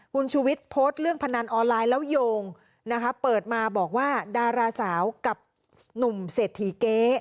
คุณชูวิทย์โพสต์เรื่องพนันออนไลน์แล้วโยงนะคะเปิดมาบอกว่าดาราสาวกับหนุ่มเศรษฐีเก๊